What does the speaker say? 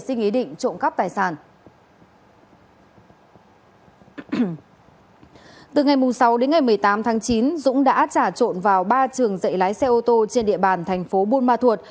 từ ngày sáu đến ngày một mươi tám tháng chín dũng đã trả trộn vào ba trường dạy lái xe ô tô trên địa bàn thành phố buôn ma thuột